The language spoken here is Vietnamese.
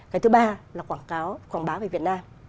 cái thứ ba là quảng báo về việt nam